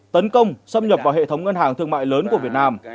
tấn công xâm nhập vào hệ thống ngân hàng thương mại lớn của việt nam